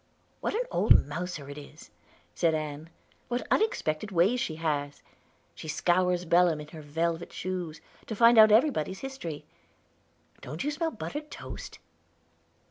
"What an old mouser it is!" said Ann. "What unexpected ways she has! She scours Belem in her velvet shoes, to find out everybody's history. Don't you smell buttered toast?"